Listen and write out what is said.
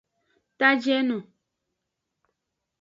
Tajeno.